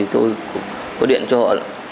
tôi có điện cho họ